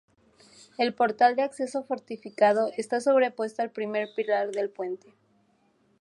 El portal de acceso, fortificado, está sobrepuesto al primer pilar del puente.